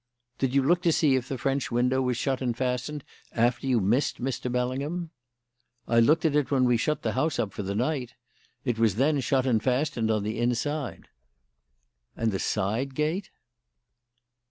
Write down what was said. "Did you look to see if the French window was shut and fastened after you missed Mr. Bellingham?" "I looked at it when we shut the house up for the night. It was then shut and fastened on the inside." "And the side gate?"